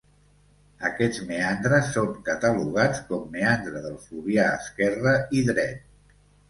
Aquests meandres són catalogats com Meandre del Fluvià esquerra i dret.